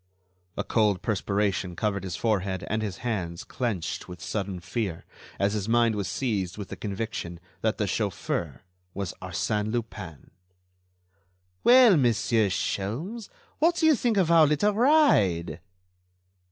A cold perspiration covered his forehead and his hands clenched with sudden fear, as his mind was seized with the conviction that the chauffeur was Arsène Lupin. "Well, Monsieur Sholmes, what do you think of our little ride?"